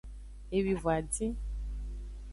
Ewivon adin.